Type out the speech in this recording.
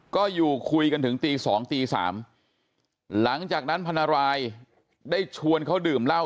ก็อยู่คุยกันถึงตี๒ตี๓หลังจากนั้นพันรายได้ชวนเขาดื่มเหล้า